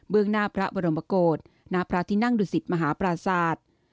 เบื้องหน้าพระบรมโกศหน้าพระทินั่งดุสิตมหาปราศาสตร์